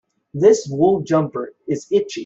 This wool jumper is itchy.